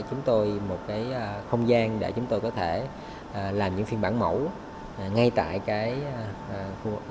chúng tôi một cái không gian để chúng tôi có thể làm những phiên bản mẫu ngay tại vườn ươm doanh nghiệp công nghệ cao